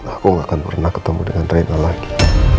aku gak akan pernah ketemu dengan reina lagi